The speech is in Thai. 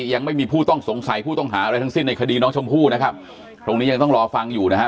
ยังไม่มีผู้ต้องสงสัยผู้ต้องหาอะไรทั้งสิ้นในคดีน้องชมพู่นะครับตรงนี้ยังต้องรอฟังอยู่นะฮะ